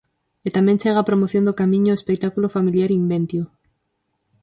E tamén chega á promoción do Camiño o espectáculo familiar 'Inventio'.